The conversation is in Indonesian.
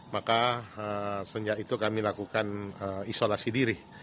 maka sejak itu kami lakukan isolasi diri